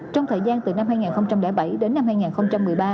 trong thời gian từ năm hai nghìn bảy đến năm hai nghìn một mươi ba